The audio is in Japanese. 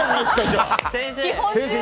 先生